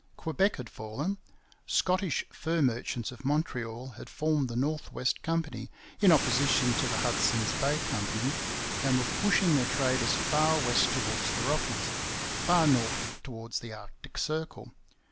Quebec had fallen. Scottish fur merchants of Montreal had formed the North West Company in opposition to the Hudson's Bay Company, and were pushing their traders far west towards the Rockies, far north towards the Arctic Circle.